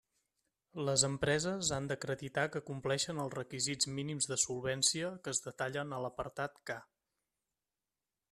Les empreses han d'acreditar que compleixen els requisits mínims de solvència que es detallen a l'apartat K.